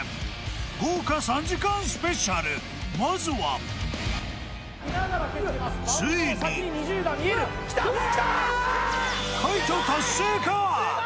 豪華３時間スペシャル、まずはついに快挙達成か？